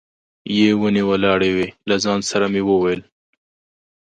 یې ونې ولاړې وې، له ځان سره مې وویل.